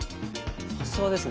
さすがですね。